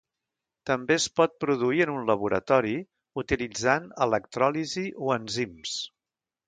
També es pot produir en un laboratori utilitzant electròlisi o enzims.